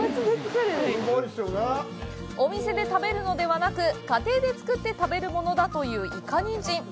お店で食べるのではなく、家庭で作って食べるものだという「いか人参」。